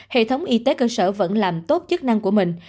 hệ thống y tế cơ sở vẫn làm tốt chức năng của mình